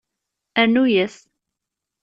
Rnu-yas.